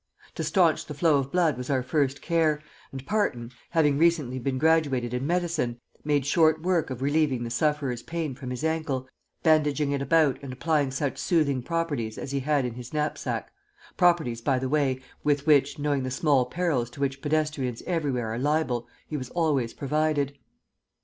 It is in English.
To stanch the flow of blood was our first care, and Parton, having recently been graduated in medicine, made short work of relieving the sufferer's pain from his ankle, bandaging it about and applying such soothing properties as he had in his knapsack properties, by the way, with which, knowing the small perils to which pedestrians everywhere are liable, he was always provided.